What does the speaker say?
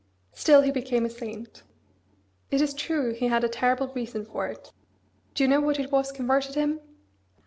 Still he became a saint! It is true he had a terrible reason for it. Do you know what it was converted him?"